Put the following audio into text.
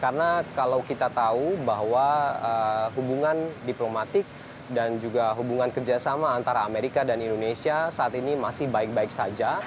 karena kalau kita tahu bahwa hubungan diplomatik dan juga hubungan kerjasama antara amerika dan indonesia saat ini masih baik baik saja